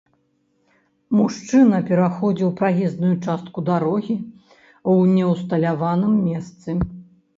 Мужчына пераходзіў праезную частку дарогі ў неўсталяваным месцы.